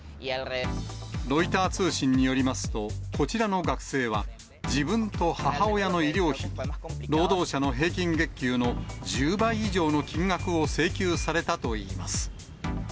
ロイター通信によりますと、こちらの学生は、自分と母親の医療費に、労働者の平均月給の１０倍以上の金額を請求されたといいます。